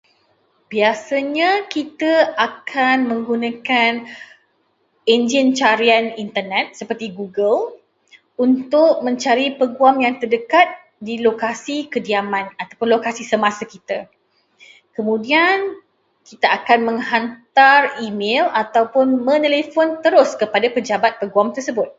Biasanya, kita akan menggunakan enjin carian Internet seperti Google untuk mencari peguam yang terdekat di lokasi kediaman ataupun lokasi semasa kita. Kemudian, kita akan menghantar e-mel atau menelefon terus kepada pejabat peguam tersebut.